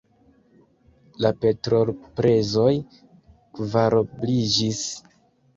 La petrolprezoj kvarobliĝis.